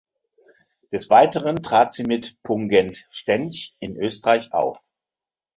Des Weiteren trat sie mit Pungent Stench in Österreich auf.